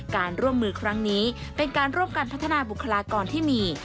การร่วมมือครั้งนี้เป็นการร่วมกันพัฒนาบุคลากรที่มี